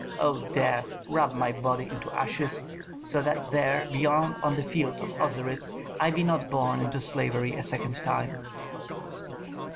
O death, rub my body into ashes, so that there, beyond on the fields of Osiris, I be not born into slavery a second time."